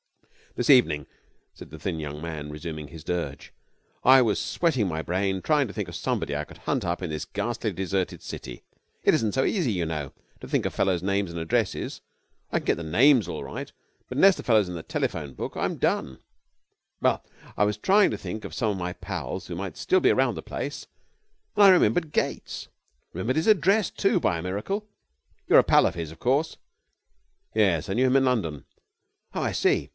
'This evening,' said the thin young man, resuming his dirge, 'I was sweating my brain to try to think of somebody I could hunt up in this ghastly, deserted city. It isn't so easy, you know, to think of fellows' names and addresses. I can get the names all right, but unless the fellow's in the telephone book, I'm done. Well, I was trying to think of some of my pals who might still be around the place, and I remembered Gates. Remembered his address, too, by a miracle. You're a pal of his, of course?' 'Yes, I knew him in London.' 'Oh, I see.